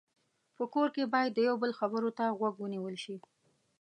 په کور کې باید د یو بل خبرو ته غوږ ونیول شي.